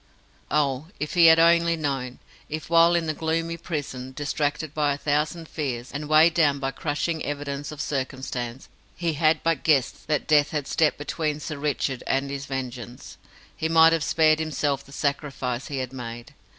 Oh, if he had only known! If, while in the gloomy prison, distracted by a thousand fears, and weighed down by crushing evidence of circumstance, he had but guessed that death had stepped between Sir Richard and his vengeance, he might have spared himself the sacrifice he had made.